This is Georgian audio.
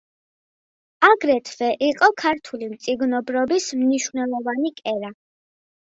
აგრეთვე იყო ქართული მწიგნობრობის მნიშვნელოვანი კერა.